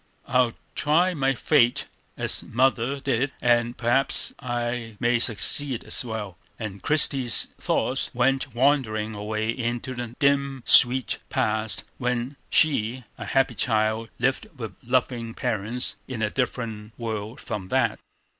I'll try my fate as mother did, and perhaps I may succeed as well." And Christie's thoughts went wandering away into the dim, sweet past when she, a happy child, lived with loving parents in a different world from that.